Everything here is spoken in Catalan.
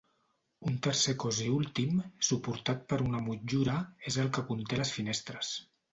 Un tercer cos i últim, suportat per una motllura, és el que conté les finestres.